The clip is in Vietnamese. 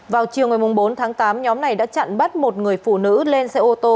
vào chiều ngày bốn tháng tám nhóm này đã chặn bắt một người phụ nữ lên xe ô tô